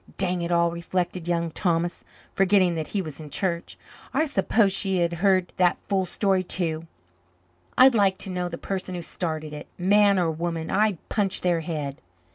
"Dang it all," reflected Young Thomas, forgetting that he was in church. "I suppose she has heard that fool story too. I'd like to know the person who started it; man or woman, I'd punch their head."